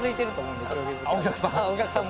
お客さん？